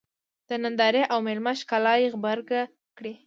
د نندارې او مېلمه ښکلا یې غبرګه کړې.